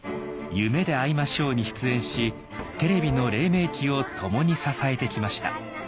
「夢であいましょう」に出演しテレビのれい明期を共に支えてきました。